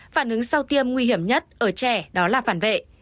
phản ứng sau tiêm nguy hiểm nhất ở trẻ đó là phản vệ